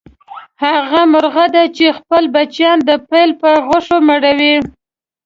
هغه مرغه دی چې خپل بچیان د پیل په غوښو مړوي.